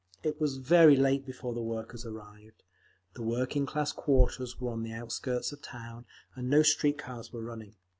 It was very late before the workers arrived; the working class quarters were on the outskirts of the town, and no street cars were running.